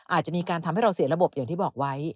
อาจจะมีการทำให้เราเสียระบบอย่างที่บอกไว้